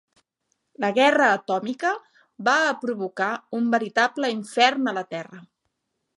La guerra atòmica va a provocar un veritable infern a la terra.